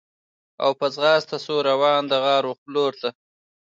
او په ځغاسته سو روان د غار و لورته